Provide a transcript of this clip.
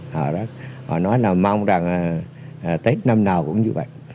họ nói là mong rằng tết năm nào cũng như vậy